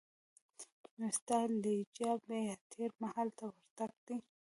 نو ستالجیا یا تېر مهال ته ورتګ ده.